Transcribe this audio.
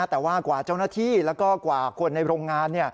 แต่ว่ากว่าเจ้าหน้าที่แล้วก็กว่าคนในโรงงาน